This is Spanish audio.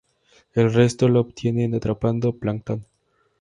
El resto lo obtienen atrapando plancton.